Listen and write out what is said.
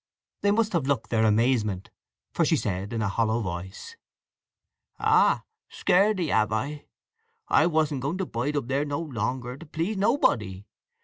They must have looked their amazement, for she said in a hollow voice: "Ah—sceered ye, have I! I wasn't going to bide up there no longer, to please nobody!